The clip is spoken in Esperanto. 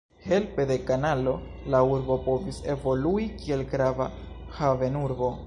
Helpe de kanalo la urbo povis evolui kiel grava havenurbo.